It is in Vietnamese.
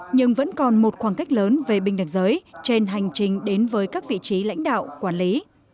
nhưng vẫn còn một khoảng cách lớn về bình đẳng giới trên hành trình đến với các vị trí lãnh đạo quản lý